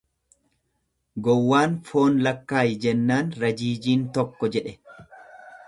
Gowwaan foon lakkaayi jennaan rajijiin tokko jedhe.